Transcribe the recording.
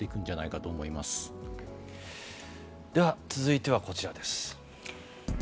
では、続いてはこちらです。